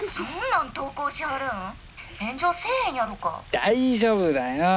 大丈夫だよ。